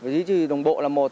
duy trì đường bộ là một